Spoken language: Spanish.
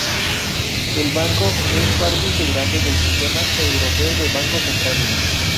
El Banco es parte integrante del Sistema Europeo de Bancos Centrales.